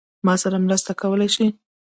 ما سره مرسته کولای شې؟